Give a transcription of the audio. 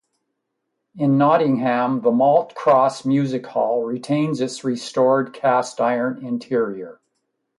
In Nottingham, the Malt Cross music hall retains its restored cast-iron interior.